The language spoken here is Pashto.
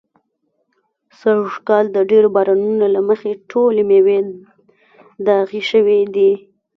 سږ کال د ډېرو بارانو نو له مخې ټولې مېوې داغي شوي دي.